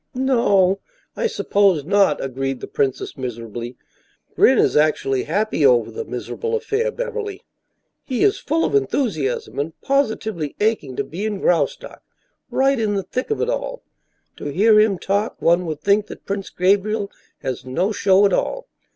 "No I suppose not," agreed the princess, miserably. "Gren is actually happy over the miserable affair, Beverly. He is full of enthusiasm and positively aching to be in Graustark right in the thick of it all. To hear him talk, one would think that Prince Gabriel has no show at all.